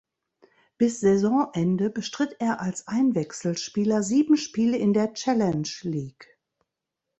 Bis Saisonende bestritt er als Einwechselspieler sieben Spiele in der Challenge League.